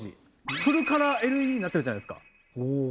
フルカラーＬＥＤになってるじゃないですか。